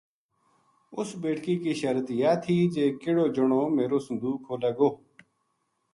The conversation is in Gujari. اس بیٹکی کی شرط یاہ تھی جی کِہڑو جنو میرو صندوق کھولے گو